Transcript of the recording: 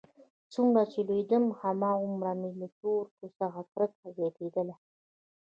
څومره چې لوېيدم هماغومره مې له تورکي څخه کرکه زياتېدله.